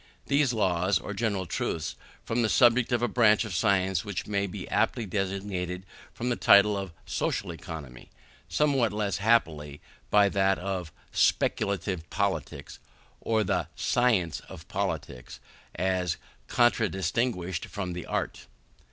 These laws, or general truths, form the subject of a branch of science which may be aptly designated from the title of social economy; somewhat less happily by that of speculative politics, or the science of politics, as contradistinguished from the art.